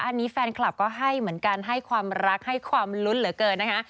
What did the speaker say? อันนี้แฟนคลับก็ให้เหมือนกันให้ความรักให้ความลุ้นเหลือเกินนะคะ